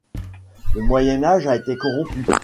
Le Moyen Âge a été corrompu.